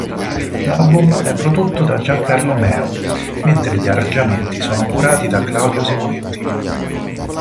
L'album è prodotto da Giancarlo Meo, mentre gli arrangiamenti sono curati da Claudio Simonetti.